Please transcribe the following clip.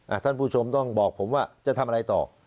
ท่านผู้ชมต้องบอกผมว่าจะทำอะไรต่อ